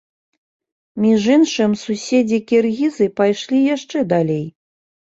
Між іншым, суседзі-кіргізы пайшлі яшчэ далей.